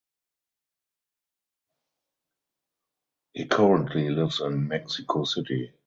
He currently lives in the Mexico City.